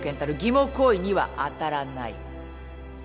もう行為には当たらない。